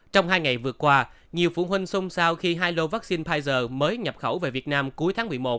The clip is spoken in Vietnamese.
trong hai ngày vừa qua nhiều phụ huynh xông xao khi hai lô vaccine pfizer mới nhập khẩu về việt nam cuối tháng một mươi một